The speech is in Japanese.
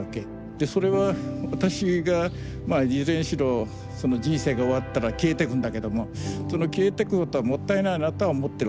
でそれは私がいずれにしろ人生が終わったら消えてくんだけども消えてくことはもったいないなとは思ってるわけ。